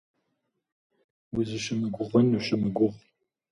Узыщымыгугъын ущымыгугъ.